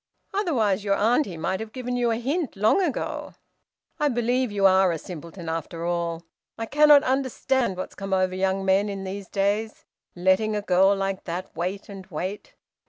"Otherwise your auntie might have given you a hint long ago. I believe you are a simpleton after all! I cannot understand what's come over the young men in these days. Letting a girl like that wait and wait!"